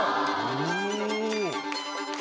お！